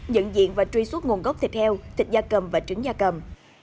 nhận diện và truy xuất nguồn gốc thịt heo thịt da cầm và trứng da cầm